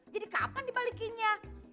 jadi kapan dibalikinnya